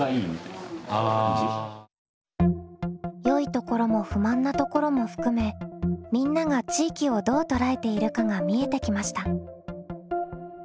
よいところも不満なところも含めみんなが地域をどう捉えているかが見えてきました。